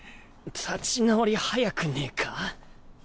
立ち直り早くねぇか？